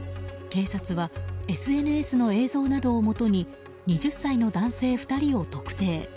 警察はＳＮＳの映像などをもとに２０歳の男性２人を特定。